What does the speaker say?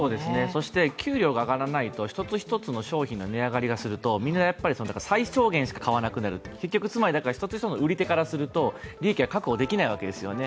そして給料が上がらないと１つ１つの商品が値上がりするとみんな最小限しか買わなくなる結局一つ一つの売り手からすると利益が確保できないわけですよね。